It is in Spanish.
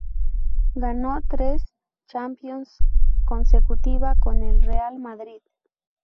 Ganó tres Champions consecutiva con el Real Madrid.